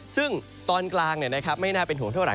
ซึ่งตอนกลางเนี่ยนะครับไม่น่าเป็นห่วงเท่าไหร่